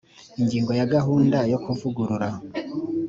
ingingo ya gahunda yo kuvugurura